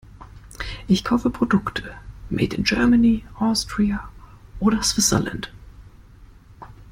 Ich kaufe Produkte made in Germany, Austria oder Switzerland.